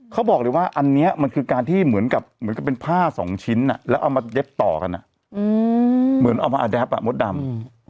เขาบอกเลยว่าอันนี้มันคือการที่เหมือนกับเหมือนกับเป็นผ้าสองชิ้นแล้วเอามาเย็บต่อกันเหมือนเอามาแรปอ่ะมดดำ